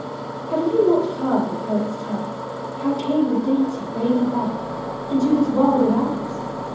Have you not heard the poets tell How came the dainty Baby Hell Into this world of ours?